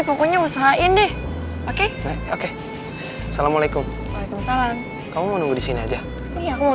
pokoknya usahain deh oke oke assalamualaikum waalaikumsalam kamu mau nunggu di sini aja iya aku mau